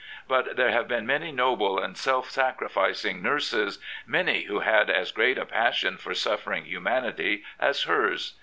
But there have been many noble and self sacrificing nurses, many who had as great a passion for suffering humanity as hers.